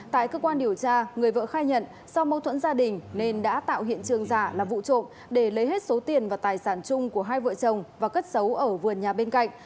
tại cơ quan điều tra người vợ khai nhận do mâu thuẫn gia đình nên đã tạo hiện trường giả là vụ trộm để lấy hết số tiền và tài sản chung của hai vợ chồng và cất xấu ở vườn nhà bên cạnh